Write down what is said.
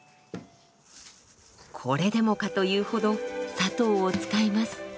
これでもかというほど砂糖を使います。